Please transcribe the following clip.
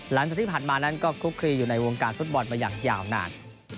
หลังจากที่ผ่านมานั้นก็คลุกคลีอยู่ในวงการฟุตบอลมาอย่างยาวนาน